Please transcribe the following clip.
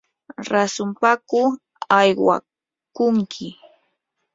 ¿rasunpaku aywakunki?